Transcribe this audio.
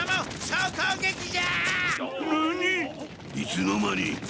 いつの間に？